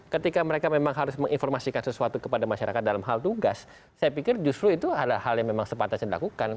ketika mereka memang harus menginformasikan sesuatu kepada masyarakat dalam hal tugas saya pikir justru itu adalah hal yang memang sepatasnya dilakukan